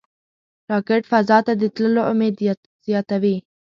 راکټ فضا ته د تللو امید زیاتوي